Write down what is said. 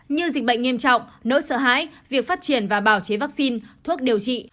như dịch bệnh nghiêm trọng nỗi sợ hãi việc phát triển và bảo chế vaccine thuốc điều trị